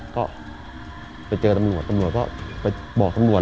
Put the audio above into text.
ก็ไปเจอตำรวจตำรวจก็ไปบอกตำรวจ